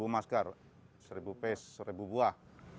seribu masker seribu pace seribu buah